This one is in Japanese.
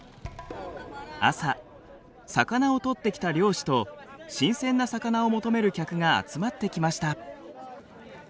朝魚を取ってきた漁師と新鮮な魚を求める客が集まってきました。